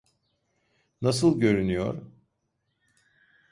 Nasıl görünüyor?